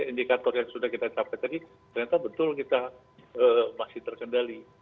indikator yang sudah kita capai tadi ternyata betul kita masih terkendali